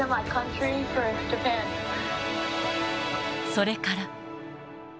それから。